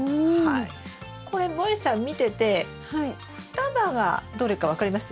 これもえさん見てて双葉がどれか分かります？